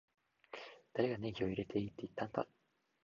誰がネギを入れていいって言ったんだ